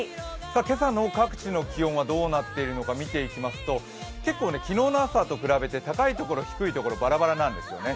今朝の各地の気温はどうなっているのか見ていきますと結構昨日の朝と比べて高いところ、低いところバラバラなんですよね。